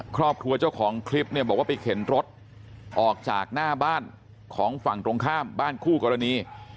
เจ้าของคลิปเนี่ยบอกว่าไปเข็นรถออกจากหน้าบ้านของฝั่งตรงข้ามบ้านคู่กรณี